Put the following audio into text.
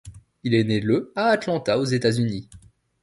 Il est né le à Atlanta aux États-Unis.